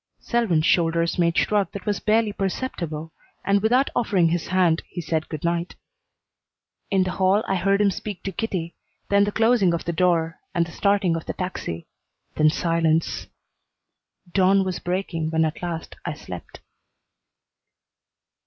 Selwyn's shoulders made shrug that was barely perceptible, and without offering his hand he said good night. In the hall I heard him speak to Kitty, then the closing of the door and the starting of the taxi, then silence. Dawn was breaking when at last I slept.